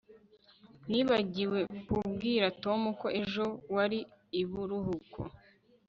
nibagiwe kubwira tom ko ejo wari ibiruhuko